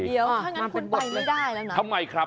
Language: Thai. ถ้านั้นคุณไปไม่ได้แล้วมั้ยทำไมคับ